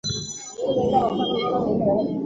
আমি এখানে আসার পরই জানতে পারলাম।